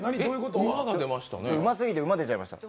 うますぎて馬、出ちゃいました。